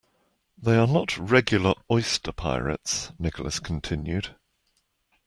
They are not regular oyster pirates, Nicholas continued.